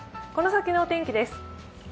この先のお天気です。